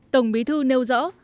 tổng bí thư nêu rõ